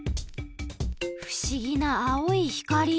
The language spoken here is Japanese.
ふしぎなあおい光！